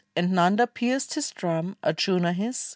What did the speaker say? And Nanda pierced his drum, Ardjuna his.